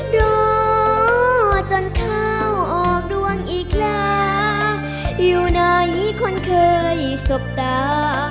รอจนเข้าออกดวงอีกแล้วอยู่ไหนคนเคยสบตา